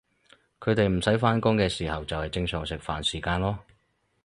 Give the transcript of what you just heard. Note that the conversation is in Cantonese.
佢哋唔使返工嘅时候就係正常食飯時間囉